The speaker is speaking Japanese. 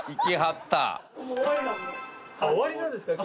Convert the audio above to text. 終わりなんですか？